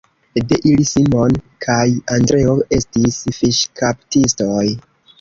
De ili Simon kaj Andreo estis fiŝkaptistoj.